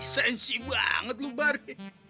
sensi banget lo bari